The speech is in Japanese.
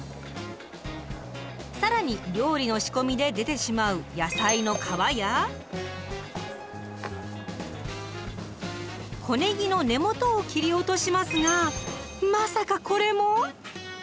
更に料理の仕込みで出てしまう小ねぎの根元を切り落としますがまさかこれも⁉